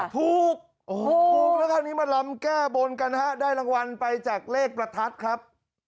ถูกถูกแล้วคราวนี้มาลำแก้บนกันนะฮะได้รางวัลไปจากเลขประทัดครับ